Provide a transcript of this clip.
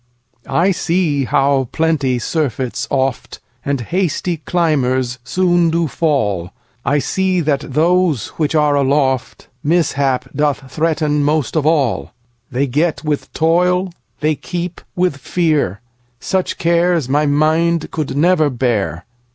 I see how plenty surfeits oft, And hasty climbers soon do fall;I see that those which are aloftMishap doth threaten most of all:They get with toil, they keep with fear:Such cares my mind could never bear.